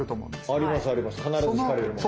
必ず引かれるもの。